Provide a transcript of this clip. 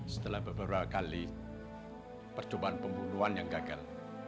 setelah beberapa kali percobaan pembunuhan yang gagal